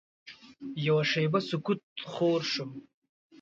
یوه شېبه سکوت خور شو.